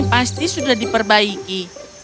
pasti sudah diperbaiki